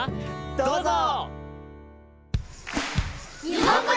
どうぞ！